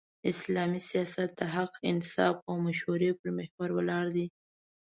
اسلامي سیاست د حق، انصاف او مشورې پر محور ولاړ دی.